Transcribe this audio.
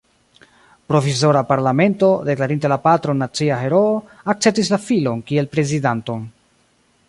Provizora parlamento, deklarinte la patron nacia heroo, akceptis la filon kiel prezidanton.